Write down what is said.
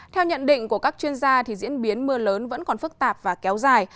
theo nhận định của các chuyên gia diễn biến mưa lớn vẫn còn phức tạp và kéo dài